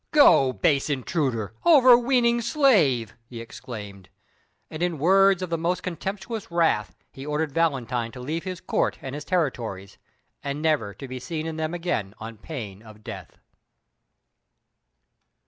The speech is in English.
"Go, base intruder! Overweening slave!" he exclaimed; and in words of the most contemptuous wrath he ordered Valentine to leave his Court and his territories, and never to be seen in them again on pain of death.